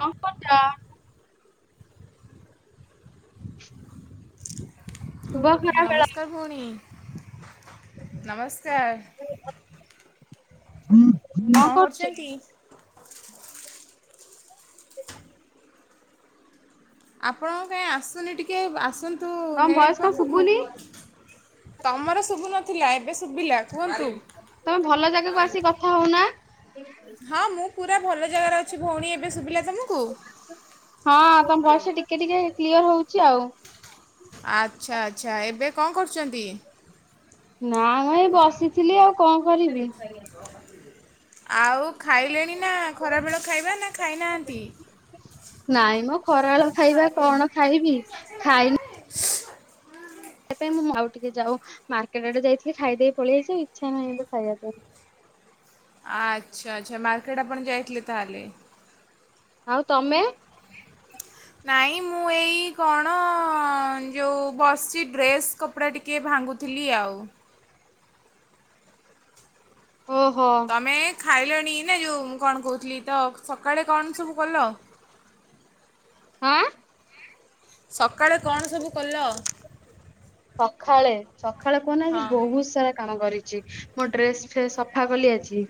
କନ୍ କରୁଚ? [inaudible] ବ ଖରା ଖଳା ନମସ୍କାର [unintelligible] ଭଉଣୀ ନମସ୍କାର। ହୁଁ। କଣ କରୁଛନ୍ତି? ଆପଣଙ୍କ କାଇଁ ଆସୁନି ଟିକେ ଆସନ୍ତୁ। ତୁ ତମ ନେଟ୍ ଭଏସ କଣ ପାଖକୁ ଶୁଭୁନି? ତମର ଶୁଭୁନ ଥିଲା [unintelligible] ତମେ ଭଲ ଜାଗାକୁ ଆସିିକି କଥା ହଉନା। ହଁ ମୁଁ ପୁରା ଭଲ ଜାଗାରେ ଅଛି ଭଉଣୀ ଏବେ ଶୁଭିଲା ତୁମକୁ। ଚି ଆଉ। ଆଚ୍ଛା ଆଚ୍ଛା ଏବେ କଣ କରୁଛନ୍ତି? ନା ମ ଏଇ ବସିଥିଲି ଆଉ କନ୍ କରିବି? [unintelligible] ଆଉ ଖାଇଲେଣି ଖରା ବେଳ ଖାଇବା ନା ଖାଇନାହାନ୍ତି? ଖରାଅଳ ଖାଇବା କଣ ଖାଇବି ଖାଇନି। ଇ ମୁଁ ଆଉ ଟିକେ ଯାଉ ମାର୍କେଟ୍ ଆଡେ ଯାଇଥିଲି ଖାଇଦେଇ ପଳେଇ ଆଇଚି ଇଚ୍ଛା ନାହିଁ ଏବେ ଖାଇବାକୁ। ଆଚ୍ଛା ଆଚ୍ଛା ମାର୍କେଟ୍ ଆପଣ ଯାଇଥିଲେ ତାହଲେ। ଆଉ ତମେ? ନାଇଁ ମୁଁ ଏଇ କଅଣ ଯୋଉ ବସିଛି ଡ୍ରେସ୍ କପଡ଼ା ଟିକିଏ ଭାଙ୍ଗୁଥିଲି ଆଉ। ଓହୋ। ତମେ ଖାଇଲେଣି ନା ଯେଉଁ ମୁଁ କଣ କହୁଥିଲି ତ ସକାଳେ କଣ ସବୁ କଲ? ଆଁ? ସକାଳେ କଣ ସବୁ କଲ? ସଖାଳେ। ସଖାଳେ କୁହନା ଆଜି ହଁ ବହୁତ୍ ସାରା କାମ କରିଛି ମୋ ଡ୍ରେସ୍ ଫେସ୍ ସଫା କଲି ଆଜି।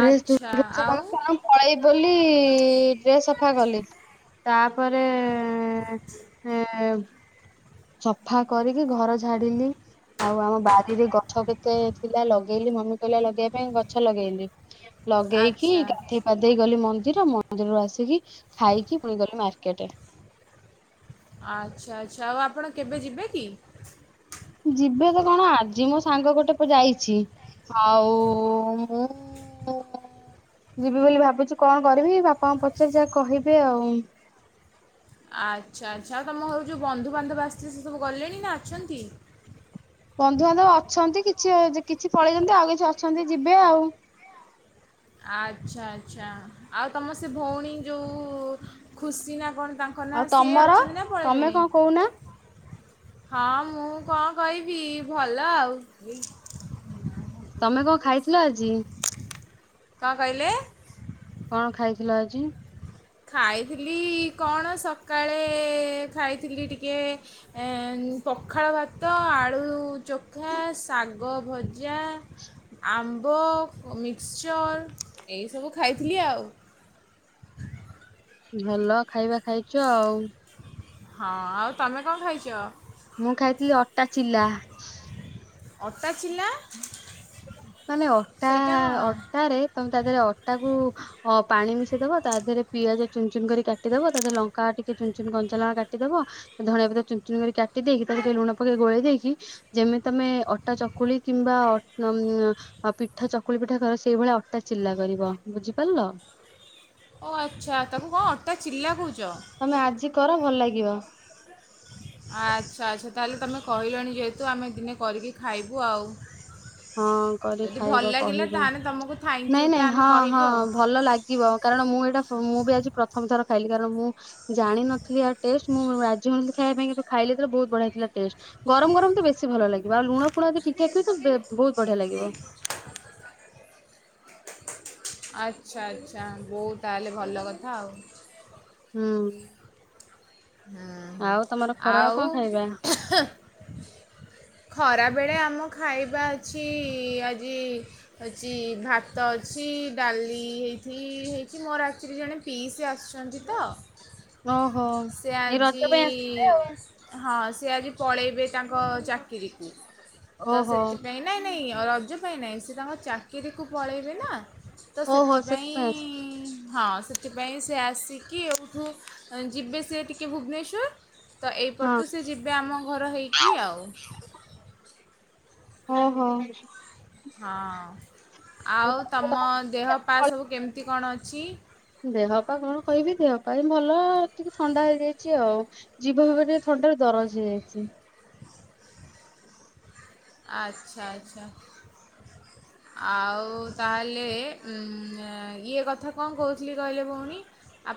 ଡ୍ରେସ୍ ଆଚ୍ଛା ଆଉ [unintelligible] ପଳେଇ ବୋଲି ଡ୍ରେସ୍ ସଫା [unintelligible] ଲି ତା ତାପରେ ଏ ଏ ୟେଁ ସଫା କରିକି ଘର ଝାଡିଲି ଆଉ ଆମ ବାରିରେ ଗଛ କେତେ ଥିଲା ଲଗେଇଲି ମମି କହିଲା ଲଗେଇବା ପାଇଁ ଗଛ ଲଗେଇଲି। ଲଗେଇକି ଆଚ୍ଛା ଗାଧେଇ ପାଧେଇ ଗଲି ମନ୍ଦି ର ମନ୍ଦିରରୁ ଆସିକି ଖାଇକି ପୁଣି ଗଲେ ମାର୍କେଟେ। ଆଚ୍ଛା ଆଚ୍ଛା ଆଉ ଆପଣ କେବେ ଯିବେ କି? ଯିବେ ତ କଣ ଆଜି ମୋ ସାଙ୍ଗ ଗୋଟେ ଯାଇଚି ଆଉ ମୁଁ ଉ ଉ ଯିବି ବୋଲି ଭାବୁଚି କଣ କରିବି ବାପାଙ୍କୁ ପଚାରି ଯା କହିବେ ଆଉ। ଆଚ୍ଛା ଆଚ୍ଛା ଆଉ ତମ ଘରକୁ ଯେଉଁ ବନ୍ଧୁବାନ୍ଧବ ଆସିଥିଲେ ସେ ସବୁ ଗଲେଣି ନା ଅଛନ୍ତି? ଛି କିଛି ପଳେଇଛନ୍ତି ଆଉ କିଛି ଅଛନ୍ତି ଯିବେ ଆଉ। ଆଚ୍ଛା ଆଚ୍ଛା ଆଉ ତମ ସେ ଭଉଣୀ ଯୋଉ ଉ ଖୁସି ନା କଣ ତାଙ୍କ ନାଁ ଆଉ ସିଏ ତମର ଅଛନ୍ତି ନା ତମେ ପଳେଇଲେଣି? କଣ କହୁନା? ହଁ ମୁଁ କଣ କହିବି ଭଲ ଆଉ। ତମେ କଣ ଖାଇଥିଲ ଆଜି? କଣ କହିଲେ? କଣ ଖାଇଥିଲ ଆଜି? ଖାଇଥିଲି କଣ ସକାଳେ ଖାଇଥିଲି ଟିକେ ଏଁ ପଖାଳ ଭାତ, ଆଳୁ ଚୋଖା, ଶାଗ ଭଜା, ଆମ୍ବ, ମିକ୍ସଚର୍ ଏଇସବୁ ଖାଇଥିଲି ଆଉ। ଭଲ ଖାଇବା ଖାଇଚ ଆଉ। ହଁ ଆଉ ତମେ କଣ ଖାଇଛ? ମୁଁ ଖାଇଥିଲି ଅଟା ଚିଲା। ଅଟାଚିଲା। ମାନେ ଅଟା ଅଟାରେ ତମେ ତା ଦେହରେ ଅଟା କୁ ହ ପାଣି ମିଶେଇ ଦବ ତା ଦେହରେ ପିଆଜ ଚୁନ ଚୁନ କରି କାଟିଦବ ତା ଦେହରେ ଲଙ୍କା ଟିକେ ଚୁନ୍ ଚୁନ୍ କଞ୍ଚା କାଟିଦବ ଧଣିଆ ଭିତ ଚୁନ୍ ଚୁନ୍ କରି କାଟି ଦେଇକି ତାକୁ ଟିକେ ଲୁଣ ପକେଇ ଗୋଳେଇ ଦେଇକି ଯେମିତି ତମେ ଅଟା ଚକୁଳି କିମ୍ବା ହ ମ୍ ପିଠା ଚକୁଳି ପିଠା କର ସେଇଭଳିଆ ଅଟା ଚିଲା କରିବ ବୁଝିପାରିଲ? ଓ ଆଚ୍ଛା ତାକୁ କଣ ଅଟା ଚିଲା କହୁଛ? [inaudible] ତମେ ଆଜି କର ଭଲ ଲାଗିବ ଆଚ୍ଛା ଆଚ୍ଛା ତାହେଲେ ତୁମେ କହିଲଣି ଯେହେତୁ ଆମେ ଦିନେ କରିକି ଖାଇବୁ ଆଉ। ହଁ କରି ଯଦି ଭଲ ଖାଇବ ଲାଗିଲା କହିବ ତାହେଲେ ତୁମକୁ ଥ୍ୟାଙ୍କ ନାଇଁ ୟୁଟା ନାଇଁ ଆମେ ହଁ କହିବୁ ହଁ ଆଉ ଭଲ ଲାଗିବ କାରଣ ମୁଁ ଏଇଟା ହ ମୁଁ ବି ଆଜି ପ୍ରଥମ ଥର ଖାଇଲି। କାରଣ ମୁଁ ଜାଣିିନଥିଲି ଆ ଟେଷ୍ଟ ମୁଁ ରାଜି ହଉନଥିଲି ଖାଇବା ପାଇଁ କିନ୍ତୁ ଖାଇଲି ତ ବହୁତ ବଢିଆ ଥିଲା ଟେଷ୍ଟ ଗରମ ଗରମ ତ ବେଶୀ ଭଲ ଲାଗିବ ଆଉ ଲୁଣ ଫୁଣ ଯଦି ଠିକ୍ ଠାକ୍ ଥିବ ତା ବହୁତ ବଢିଆ ଲାଗିବ। [inaudible] ଆଚ୍ଛା ଆଚ୍ଛା ବୋଉ ତାହେଲେ ଭଲ କଥା ଆଉ। ହୁଁ। ହୁଁ ହୁଁ। ଆଉ ତମର ଖରାଳ ଆଉ କଣ ଖାଇବା। [inaudible] ଖରାବେଳେ ଆମ ଖାଇବା ଅଛି ଆଜି ହେଉଛି ଭାତ ଅଛି ଡାଲି ହେଇଥି ହେଇଛି ମୋର ଆକଚୁଲି ଜଣେ ପିଇସି ଆସୁଛନ୍ତି ତ। ଓହୋ। ସେ ଏଇ ଆଜି ରଜ ପାଇଁ ଆସ ହଁ ସେ ଆଜି ପଳେଇବେ ତାଙ୍କ ଚାକିରିକୁ? ତ ଓହୋ ସେଥିପାଇଁ ନାଇଁ ନାଇଁ ରଜ ପାଇଁ ନାହିଁ ସେ ତାଙ୍କ ଚାକିରିକୁ ପଳାଇବେ ନା। ତ ଓହୋ ସେଥିପାଇଁ ଆସ ହଁ ସେ ସେଥିପାଇଁ ସେ ଆସିକି ଏହିଠୁ ଯିବେ ସେ ଟିକେ ଭୁବନେଶ୍ୱର ତ ହଁ ଏଇପଟୁ ସେ ଯିବେ ଆମ ଘର ହେଇକି ଆଉ। [inaudible] ଓହୋ। ହଁ। ଆଉ ତମ ଦେହ ପା ସବୁ କେମିତି କଣ ଅଛି? ବାପା କଣ କହିବି ଦେହପା ହ ଭଲ ଟିକେ ଥଣ୍ଡା ହେଇଯାଇଛି ଆଉ ଜିଭ ଅଗରେ ଥଣ୍ଡାରେ ଦରଜ ହେଇଯାଇଛି। ଆଚ୍ଛା ଆଚ୍ଛା [inaudible] ଆଉ ତାହେଲେ ଇଏ ହୁନ କଥା କଣ କହୁଥିଲି କହିଲେ ଭଉଣୀ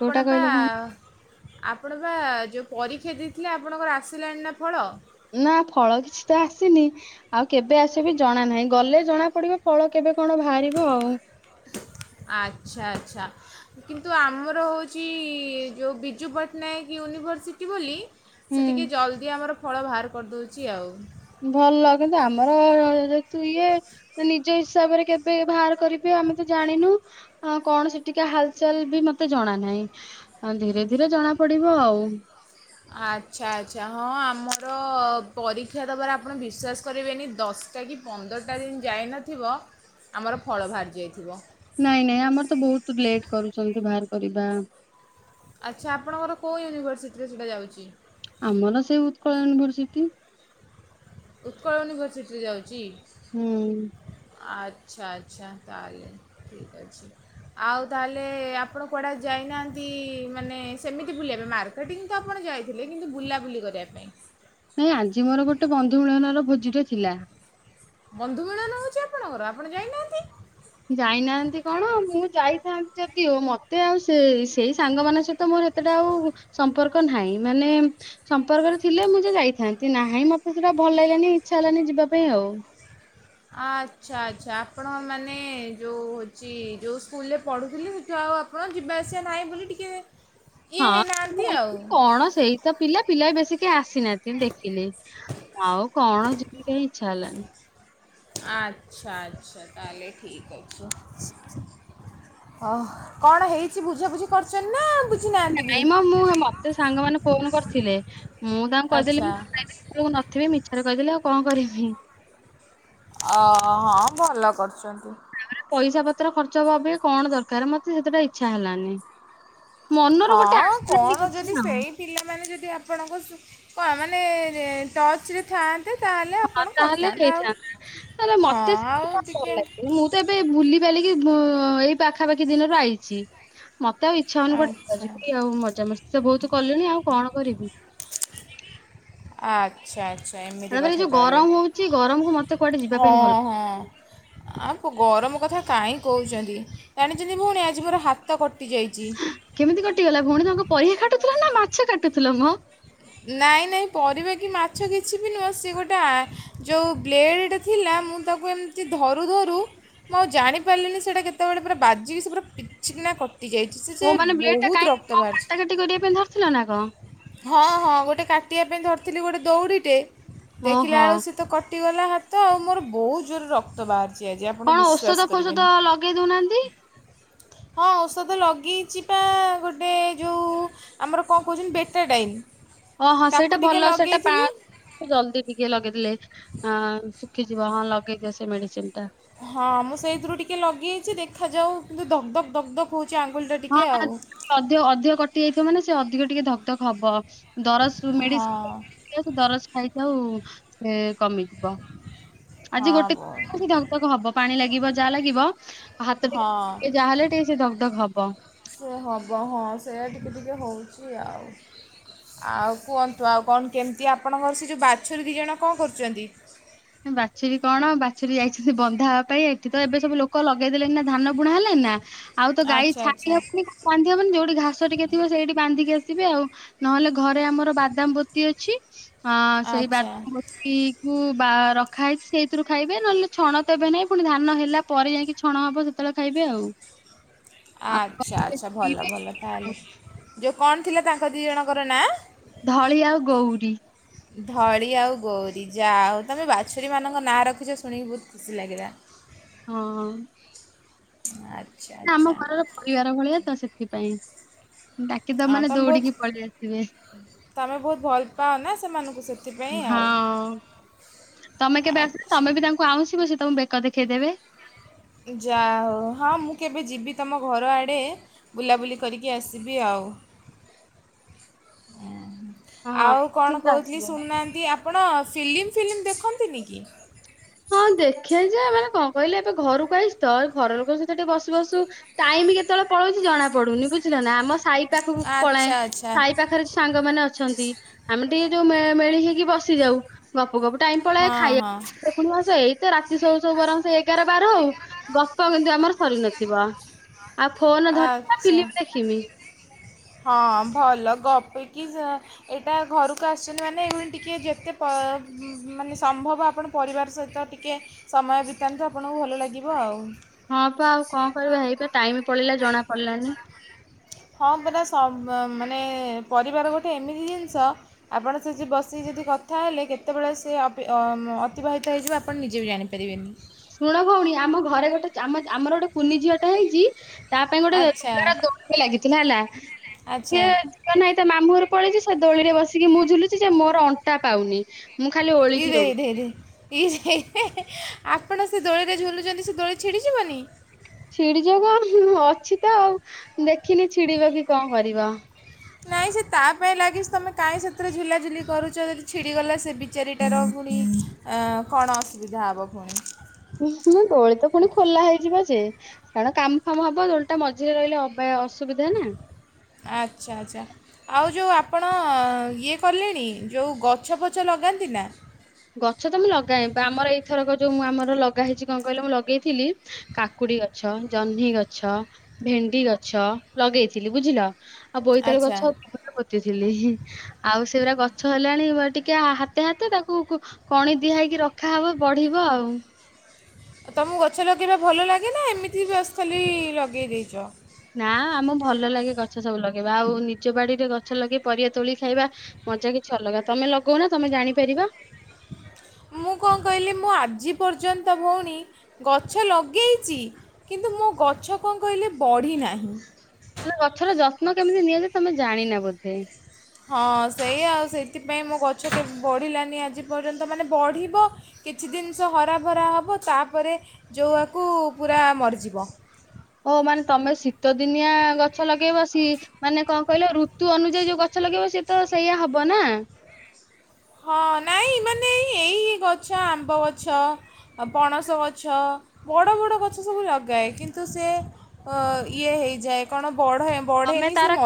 କୋଉଟା ପା କହିଲେ ଭଉଣୀ? ଆପଣ ବା ଯେଉଁ ପରୀକ୍ଷା ଦେଇଥିଲେ ଆପଣଙ୍କର ଆସିଲାଣି ନା ଫଳ? ନା ଫଳ କିଛି ତ ଆସିନି ଆଉ କେବେ ଆସିବି ଜଣା ନାହିଁ। ଗଲେ ଜଣା ପଡିବ ଫଳ କେବେ? କଣ ବାହାରିବ ଆଉ। [inaudible] ଆଚ୍ଛା। ଆଛା କିନ୍ତୁ ଆମର ହଉଛି କି ଯୋଉ ବିିଜୁ ପଟ୍ଟନାୟକ ପଟ୍ଟନାୟକ ୟୁନିଭର୍ସିଟି ବୋଲି ସେ ହୁଁ ଟିକେ ଜଲ୍ଦି ଆମର ଫଳ ବାହାର କରିଦେଉଛି ଆଉ ଭଲ କିନ୍ତୁ ଆମର ଯେହେତୁ ଇଏ ନିଜ ହିସାବରେ କେବେ ବାହାର କରିବେ ଆମେ ତ ଜାଣିନୁ କଣ ସେ ଟିକା ହାଲଚାଲ ବି ମତେ ଜଣା ନାହିଁ। ଧୀରେ ଧୀରେ ଜଣା ପଡିବ ଆଉ ଆଚ୍ଛା ଆଚ୍ଛା ହଁ ଆମର ପରୀକ୍ଷା ଦେବାର ଆପଣ ବିଶ୍ୱାସ କରିବେନି ଦଶଟା କି ପନ୍ଦରଟା ଦିନ ଯାଇନଥିବ ଆମର ଫଳ ବାହାରି ଯାଇଥିବ। ନାଇଁ ପରିବା ଆଚ୍ଛା ଆପଣଙ୍କର କେଉଁ ୟୁନିଭର୍ସିଟିରେ ସେଇଟା ଯାଉଛି ଆମର ସେଇ ଉତ୍କଳ ୟୁନିଭରସିଟି ଉତ୍କଳ ୟୁନିଭର୍ସିଟିରେ ଯାଉଛି ହୁଁ [unintelligible] ନାଇଁ ଆଜି ମୋର ଗୋଟେ ବନ୍ଧୁ ମିଳନ ର ଭୋଜିଟ ଥିଲା ବନ୍ଧୁ ବେଳ ନଉଛି ଆପଣଙ୍କର ଆପଣ ଯାଇନାହାନ୍ତି ଯାଇନାହାନ୍ତି କଣ ମୁଁ ଯାଇଥାନ୍ତି ଯଦିଓଉ ମତେ ଆଉ ସେ ସେଇ ସାଙ୍ଗ ମଙ୍କ ସହିତ ମୋର ଏତେଟା ଆଉ ସମ୍ପର୍କ ନାହିଁ ମାନେ ସମ୍ପର୍କରେ ଥିଲେ ମୁଁ ଯେ ଯାଇଥାନ୍ତି ନାହିଁ ମତେ ସେଟା ଭଲ ଲାଗିଲାନି ଇଚ୍ଛା ହେଲାନି ଯିବା ପାଇଁ ଆଉ ଆଚ୍ଛା ଆଚ୍ଛା ଆପଣ ମାନେ ଯେଉଁ ହେଉଛି ଯେଉଁ ସ୍କୁଲରେ ପଢ଼ୁଥିଲେ ସେଠୁ ଆଉ ଆପଣ ଯିବା ଆସିବା ନାହିଁ ବୋଲି ଟିକେ ଇଏ ହେଇନାହାନ୍ତି ହଁ ଆଉ କଣ ସେଇ ତ ପିଲା ପିଲା ବି ବେଶୀ କେ ଆସିନାହାନ୍ତି ଦେଖିଲି ଆଉ କଣ ଯିବି ଇଚ୍ଛା ହେଲାନି ଆଚ୍ଛା ଆଚ୍ଛା ତାହେଲେ ଠିକ ଅଛି ହ କଣ ହେଇଛି ବୁଝାବୁଝି କରିଛନ୍ତି ନା ବୁଝିନାହାନ୍ତି ବି ନାଇଁ ମ ମୁଁ ମତେ ସାଙ୍ଗମାନେ ଫୋନ କରିଥିଲେ ମୁଁ ତାଙ୍କୁ କହିଦେଲି ଆଚ୍ଛା ମୁଁ ନଥିବି ମିଛରେ କହିଦେଲି ଆଉ କଣ କରିବି ଅ ହଁ ଭଲ କରୁଛନ୍ତି ପଇସା ପତ୍ର ଖର୍ଚ୍ଚ ହବା ବି କଣ ଦରକାର ମତେ ସେତେଟା ଇଚ୍ଛା ହେଲାନି ମନରୁ ଗୋଟେ ହଁ ଆସିଲାନି କଣ କିଛି ଯଦି ଆଉ ସେଇ ପିଲାମାନେ ଯଦି [unintelligible] ହଁ ଆପଣ ତାହେଲେ କରିଥାନ୍ତେ ଆଉ ହେଇଥାନ୍ତା ତାେଲେ ହଁ ମତେ ଆଉ ସେ ଭଲ ଟିକେ ଲାଗନି ମୁଁ ତ ଏବେ ବୁଲି ପାରିକି ହଁ ଏଇ ପାଖାପାଖି ଦିନରୁ ଆଇଛି ମତେ ଆଉ ଇଚ୍ଛା ଅନୁ ଆଚ୍ଛା କଟେିବି ଆଉ ମଜାାମସ୍ତି ତ ବହୁତ କଲିଣି ଆଉ କଣ କରିବି ଆଠ ଆଚଛା ଆଚ୍ଛା ଏମିତି ତାପରେ ଏଇ କଥା ଯୋଉ ତାହେଲେ ଗରମ ହଉଛି ଗରମକୁ ମତେ କୁଆଡେ ଯିବା ହଁ ପାଇଁ ଭଲ ହଁ ଆ ଗରମ କଥା କାହିଁ କହୁଛନ୍ତି ଜାଣିଛନ୍ତି ଭଉଣୀ ଆଜି ମୋର ହାତ କଟି ଯାଇଛି କେମିତି କଟିଗଲା ଭଉଣୀ ତାଙ୍କ ପରିବା କାଟୁଥିଲ ନା ମାଛ କାଟୁଥିଲ ମଁ ନାଇଁ ନାଇଁ ପରିବା କି ମାଛ କିଛି ବି ନୁହେଁ ସେ ଗୋଟେ ଯେଉଁ ବ୍ଲେଡ଼ ଥିଲା ମୁଁ ତାକୁ ଏମିତି ଧରୁ ଧରୁ ମୁଁ ଆଉ ଜାଣିପାରିଲିନି ସେଇଟା କେତେବେଳେ ପୁରା ବାଜିକି ସେ ପୁରା ପିଚିକିନା କ ଓୋ ମାନେ ବ୍ଲେଡ ଟା କାହିଁକି କ କାଟା କାଟି କରିବା ପାଇଁ ଧରିଥିଲ ନା କଣ ହଁ ହଁ ଗୋଟେ କାଟିବା ପାଇଁ ଧରିଥିଲି ଗୋଟେ ଦଉଡ଼ିଟେ ଦେଖିଲା ଓହୋ ବେଳୁ ସୀ ତ କଥା କୁଟିଗଲା ହାତ ଆଉ ମୋର ବହୁତ ଜୋରରେ ରକ୍ତ ବାଦ୍ କଣ ଔଷଧ ଫୋଷଧ ଲଗେଇ ଦଉନାହାନ୍ତି। ହଁ ଔଷଧ ଲଗ୍ ଲଗେଇଚିପା ଗୋଟେ ଟେ ଯୋଉ ଆମର କଣ କହୁଛନ୍ତି ବେ ଟାଡାଇନ୍ ଓ ହଁ ସେଇଟା ଭଲ ସେଇଟା ପା ଜଲଦି ଟିକେ ଲଗେଇଥିଲେ ଆ ଖିଯିବ ହଁ ଲଗେଇଦିଅ ସେ ମେଡିସିନ ଟା। ହଁ ମୁଁ ସେଇଥିରୁ ଟିକେ ଲଗେଇଛି ଦେଖାଯାଉ କିନ୍ତୁ ଧକ ଧକ ଧକ ହଉଛି। ହଁ ଅଧିକ ଅଧିକ କଟି ଯାଇଥିବ ମାନେ ସେ ଅଧିକ ଟିକେ ଧକ୍ ଧକ୍ ହବ। ଦରଜ ହଁ ମେଡିସିନ ଦରଜ ଖାଇଛି ଆଉ ସେ କମି ଯିବ। ଆଜି ହଁ ଗୋଟେ ବ ଦିନ ହିଁ ଧକ ଧକ ହବ ପାଣି ଲାଗି ଗିବ ଯା ଲାଗିବ ହାତ ହଁ ଟିକେ ଯାହାହେଲେ ଟିକେ ସେ ଧକ ଧକ ହବ। ସେ ହେବ ହଁ ସେଇୟା ଟିକେ ଟିକେ ହେଉଛି ଆଉ ଆଉ କୁହନ୍ତୁ ଆଉ କଣ କେମିତି ଆପଣଙ୍କର ସେ ଯେଉଁ ବାଛୁରୀ ଦି ଜଣ କଣ କରୁଛନ୍ତି? ସେ ବନ୍ଧା ହେବା ପାଇଁ ଏଠି ତ ଏବେ ସବୁ ଲୋକ ଲଗେଇଦେଲେଣିି ନା ଧାନ ବୁଣା ହେଲାଣି ନା ଆଉ ତ ଗାଈ ଆଚ୍ଛା ଛାଡି ଆଚ୍ଛା ହବନି ବାନ୍ଧି ହବନି ଯୋଉଠି ଘାସ ଟିକେ ଥିବ ସେଇଠି ବାନ୍ଧିକି ଆସ୍ ଥିବେ ଆଉ ନହେଲେ ଘରେ ଆମର ବାଦାମବତି ଅଛି। ହଁ ସେଇ ଆଚ୍ଛା ଆଚ୍ଛା ବାଦମବତି କୁ ବା ରଖ ରଖା ହୋଇଛି ସେଇଥିରୁ ଖାଇବେ ନହେଲେ ଛଣ ତ ଏବେ ନାଇଁ ପୁଣି ଧାନ ହେଲା ପରେ ଯାଇକି ଛଣ ହବ ସେତେବେଳେ ଖାଇବେ ଆଉ। ଆଉ ଆଚ୍ଛା ଆଚ୍ଛା ଭଲ ଭଲ ତାହଲେ ଯେଉ କଣ ଥିଲା ତାଙ୍କ ଦି ଜଣଙ୍କର ନାଁ? ଧଳି ଆଉ ଗଉରୀ। ଧଳି ଆଉ ଗୌରୀ ଯାହା ହଉ ତମେ ବାଛୁରୀମାନଙ୍କ ନାଁ ରଖିଛ ଶୁଣିକି ବହୁତ ଖୁସି ଲାଗିଲା। ହଁ। ଆ ଆମ ଘରର ପରିବାର ଭଳିଆ ତ ସେଥିପାଇଁ ଡାକିଦବ ହଁ ମାନେ ତମେ ବହୁତ ଦୌଡିକି ପଳେଇ ଆସିବେ, ତମେ ବହୁତ ଭଲ ପାଅ ନା ସେମାନଙ୍କୁ ସେଥିପାଇଁ ଆଉ ହଁ ତମେ କେବେ ଆସିବ ଆଚ୍ଛା ତମେ ବି ତାଙ୍କୁ ଆଉଁସିବ ସେ ତମ ବେ କ ଦେଖେଇଦେବେ। ଯା ହଉ ହଁ ମୁଁ କେବେ ଯିବି ତମ ଘର ଆଡ଼େ ବୁଲାବୁଲି କରିକି ଆସିବି ଆଉ। ହଁ ଆଉ କଣ ନିଶ୍ଚିନ୍ତ କହୁଥିଲି ଆସିବେ। ଶୁଣୁନାହାନ୍ତି ଆ ଆପଣ ଫିଲିମ୍ ଫିଲିମ୍ ଦେଖନ୍ତିନି କି? ହଁ ଦେଖେ ଯେ ମାନେ କଣ କହିଲେ ଏବେ ଘରକୁ ଆଇଛି ତ ଘର ଲୋକଙ୍କ ସହିତ ଟିକେ ବସୁ ବସୁ ଟାଇମ କେତେବେଳେ ପଳଉଛି ଜଣା ପଡୁନି ବୁଝିଲ ନା ଆମ ସାହି ପାଖକୁ ପଳାଏ ଆଚ୍ଛା ଆଚ୍ଛା ସାଇ ପାଖରେ ସାଙ୍ଗମାନେ ଅଛନ୍ତି ଆମେ ଟି ଯୋଉ ମେ ମେଳି ହେଇକି ବସି ଯାଉ ଗପ୍ ଗପୁ ଗପୁ ଟାଇମ୍ ପଳାଏ ହଁ ଖାଇଆ ହଁ ଏଇତ ରାତି ଶୋଉ ଶୋଉ ବରଂ ସେ ଏଗାର ବାର ଆଉ ଗପ କିନ୍ତୁ ଆମର। ସରି ନଥିବ ଆଉ ଫୋନ ଧରିମି ନା ଆଚ୍ଛା ଫିଲ୍ମ ଦେଖିମି। ହଁ ଭଲ ଗପିକି ଏ ଏଇଟା ଘରକୁ ଆସୁଛନ୍ତି ମାନେ ଏଇଭଳି ଟିକେ ଯେତେ ପ ମାନେ ସମ୍ଭବ ଆପଣ ପରିବାର ସହିତ ଟିକେ ସମୟ ବିତାନ୍ତୁ ଆପଣଙ୍କୁ ଭଲ ଲାଗିବ ଆଉ। ହଁ ପା ଆଉ କଣ କରିବା ହେଇପା ଟାଇମ ପଳେଇଲା ଜଣା ପଡିଲାନି। ହଁ ପରା ସବ ମାନେ ପରିବାର ଗୋଟେ ଏମିତି ଜିନିଷ ଆପଣ ସେଠି ବସିକି ଯଦି କଥା ହେଲେ କେତେବେଳେ ସେ ଅ-ଅ-ଅତିବାହିତ ହେଇଯିବ ଆପଣ ନିଜେ ବି ଜାଣିପାରିବେନି। ଶୁଣ ଭଉଣୀ ଆମ ଘରେ ଗୋଟେ ଆ-ଆ-ଆମର ଗୋଟେ କୁନି ଝିଅ ଟା ହେଇଛି। ତା ପାଇଁ ଗୋଟେ ଆଚ୍ଛା ଲୁଗାର ଦୋଳି ଲାଗିଥିଲା ହେଲା ଆଚ୍ଛା ସିଏ ଯିବ ନାହିଁ ତା ମାମୁଁ ଘର କୁ ପଳେଇଛି ସେ ଦୋଳିରେ ବସିକି ମୁଁ ଝୁଲୁଛି ଯେ ମୋର ଅଣ୍ଟା ପାଉନି। ମୁଁ ଖାଲି ଓଳିକି ଇରେ ଇରେ ରହୁଛି ଇରେ ଇରେ ଇରେ। ଆପଣ ସେ ଦୋଳିରେ ଝୁଲୁଛନ୍ତି ସେ ଦୋଳି ଛିଡ଼ିଯିବନି। ଛିଡି ଯିବ କଣ ଅଛି ତ ଆଉ ଦେଖିନି ଛିଡିବ କି କଣ କରିବ। ନାଇଁ ସେ ତା ପାଇଁ ଲାଗିଛି ତମେ କାହିଁ ସେଥିରେ ଝୁଲାଝୁଲି କରୁଛ ଯଦି ଛିଡ଼ିଗଲା ସେ ବିଚାରି ଟାର ପୁଣି ଅ କଣ ଅସୁବିଧା ହବ ପୁଣି। ଦୋଳି ତ ପୁଣି ଖୋଲା ହେଇଯିବ ଯେ କାରଣ କାମ ଫାମ ହବ ଦୋଳି ଟା ମଝିରେ ରହିଲେ ଅବା ଅସୁ ଆଚ୍ଛା ଆଚ୍ଛା ଆଉ। ଯଉ ଆପଣ ଇଏ କଲେଣି ଯଉ ଗଛ ଫଛ ଲଗାନ୍ତି ନା। ଗଛ ତ ମୁଁ ଲଗାଏ ଆମର ଏଇ ଥରକ ଯୋଉ ମୁଁ ଆମର ଲଗା ହେଇଛି କଣ କହିଲ ମୁଁ ଲଗେଇଥିଲି କାକୁଡି ଗଛ ଜହ୍ନି ଗଛ ଭେଣ୍ଡି ଗଛ ଲଗେଇଥିଲି ବୁଝିଲ। ଆଉ ବୋଇତାଳୁ ଆଚ୍ଛା ଗଛ ଅତି ଗୋଟେ ପୋତି ଲି ହି ଆଉ ସେ ଗୁରା ଗଛ ହେଲାଣି ବ ଟିକେ ହାତେ ହାତେ ତା କୁ କୁ କଣି ଦିଆ ହେଇକି ରଖାହବ ବଢିବ ଆଉ। ତମକୁ ଗଛ ଲଗେଇବା ଭଲ ଲାଗେ ନା ଏମିତି ବସ ଖାଲି ଲଗେଇ ଦେଇଛ। ନା ଆମ ଭଲ ଲାଗେ ଗଛ ସବୁ ଲଗେଇବା ଆଉ ନିଜ ବାଡିରେ ଗଛ ଲଗେଇ ପରିବା ତୋଳି ଖାଇବା ମଜା କିଛି ଅଲଗା ତମେ ଲଗଉ ନା ତମେ ଜାଣିପାରିବା। ମୁଁ କଣ କହିଲି ମୁଁ ଆଜି ପର୍ଯ୍ୟନ୍ତ ଭଉଣୀ ଗଛ ଲଗେଇଚି କିନ୍ତୁ ମୋ ଗଛ କଣ କହିଲେ ବଢ଼ିନାହିଁ। ଲେ ଗଛର ଯତ୍ନ କେମିତି ନିଆଯାଏ ତମେ ଜାଣିନା ବୋଧେ। ହଁ ସେଇ ଆଉ ସେଇଥିପାଇଁ ମୋ ଗଛ କେ ବଢ଼ିଲାନି ଆଜି ପର୍ଯ୍ୟନ୍ତ ମାନେ ବଢ଼ିବ କିଛି ଦିନ ସ ହରାଭରା ହେବ ତାପରେ ଜଉଆକୁ ପୁରା ମରିଯିବ। ଓ ମାନେ ତମେ ଶୀତ ଦିନିଆ ଗଛ ଲଗେଇବ ସି ମାନେ କଣ କହିଲ ଋତୁ ଅନୁଯାୟୀ ଯୋଉ ଗଛ ଲଗେଇବ ସିଏ ତ ସେଇଆ ହବ ନା। ହଁ ନାଇଁ ମାନେ ଏଇ ଏଇ ଗଛ ଆମ୍ବ ଗଛ ଅ ପଣସ ଗଛ ବଡ଼ ବଡ଼ ଗଛ ସବୁ ଲଗାଏ କିନ୍ତୁ ସେ ଅ ଇଏ ହେଇଯାଏ କଣ। ବଢେ ତମେ ବଢେନି ସେ ତାର ମ